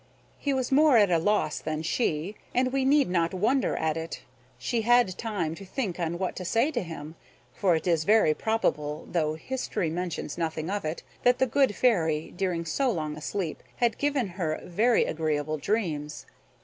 He was more at a loss than she, and we need not wonder at it; she had time to think on what to say to him; for it is very probable (though history mentions nothing of it) that the good Fairy, during so long a sleep, had given her very agreeable dreams.